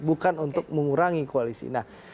bukan untuk mengurangi koalisi